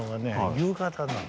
夕方なの。